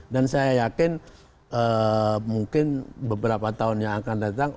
dan saya yakin mungkin beberapa tahun yang akan datang